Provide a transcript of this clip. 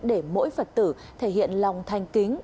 để mỗi phật tử thể hiện lòng thanh kính